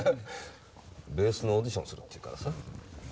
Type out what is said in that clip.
ベースのオーディションするっていうからさ。